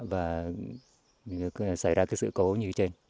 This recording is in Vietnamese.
và xảy ra sự cố như trên